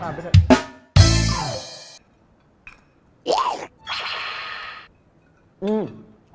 อ่านไปเถอะ